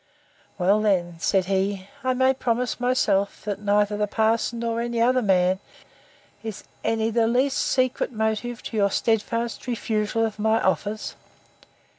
Well then, said he, I may promise myself, that neither the parson, nor any other man, is any the least secret motive to your steadfast refusal of my offers?